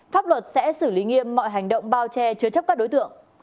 pháp luật sẽ xử lý nghiêm mọi hành động bao che chứa chấp các đối tượng